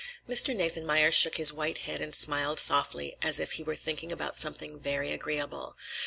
Mr. Nathanmeyer shook his white head and smiled softly, as if he were thinking about something very agreeable.